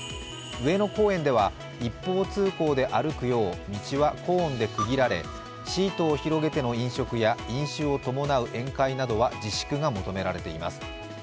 上野公園では一方通行で歩くよう道はコーンで区切られシートを広げての飲食や飲酒を伴う宴会などは自粛が求められています。